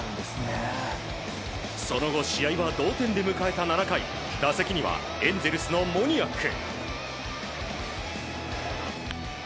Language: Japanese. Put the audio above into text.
その後、試合は同点で迎えた７回打席にはエンゼルスのモニアック。